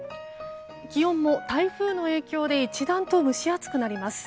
気温も台風の影響で一段と蒸し暑くなります。